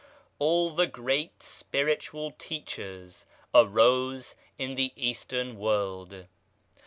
All the Great Spiritual Teachers arose in the Eastern World.